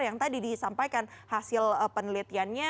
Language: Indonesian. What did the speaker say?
yang tadi disampaikan hasil penelitiannya